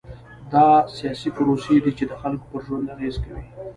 دا سیاسي پروسې دي چې د خلکو پر ژوند اغېز کوي.